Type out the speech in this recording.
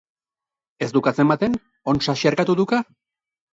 Ez duk atzematen? Ontsa xerkatu duka?